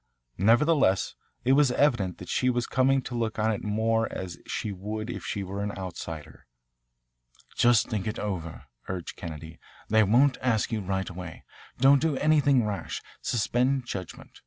Nevertheless it was evident that she was coming to look on it more as she would if she were an outsider. "Just think it over," urged Kennedy. "They won't ask you right away. Don't do anything rash. Suspend judgment.